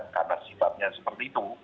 karena sifatnya seperti itu